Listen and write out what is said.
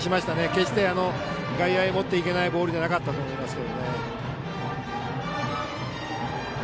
決して外野に持っていけないようなボールじゃなかったと思いますが。